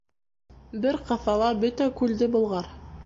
Бер ҡыҫала бөтә күлде болғар.